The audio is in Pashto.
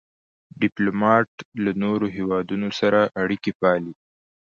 ډيپلومات له نورو هېوادونو سره اړیکي پالي.